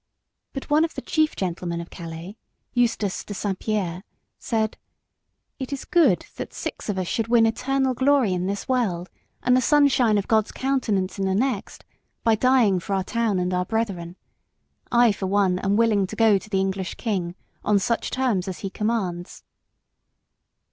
But one of the chief gentlemen of Calais Eustace de S. Pierre said: "It is good that six of us should win eternal glory in this world and the sunshine of God's countenance in the next, by dying for our town and our brethren. I, for one, am willing to go to the English king on such terms as he commands."